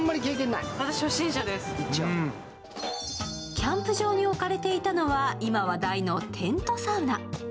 キャンプ場に置かれていたのは今話題のテントサウナ。